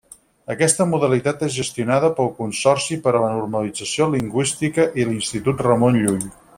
Aquesta modalitat és gestionada pel Consorci per a la Normalització Lingüística i l’Institut Ramon Llull.